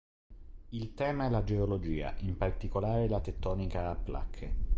Il tema è la geologia, in particolare la tettonica a placche.